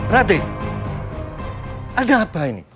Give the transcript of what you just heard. raden ada apa ini